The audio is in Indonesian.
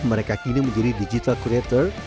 mereka kini menjadi digital creator